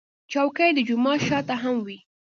چوکۍ د جومات شا ته هم وي.